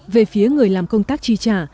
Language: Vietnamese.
về phía người làm công tác chi trả